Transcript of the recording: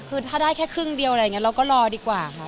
คือถ้าได้แค่ครึ่งเดียวอะไรอย่างนี้เราก็รอดีกว่าค่ะ